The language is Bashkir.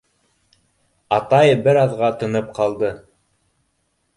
— Атай бер аҙға тынып ҡалды.